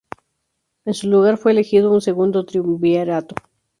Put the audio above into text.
En su lugar fue elegido un Segundo Triunvirato.